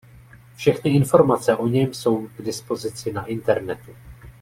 Všechny informace o něm jsou k dispozici na internetu.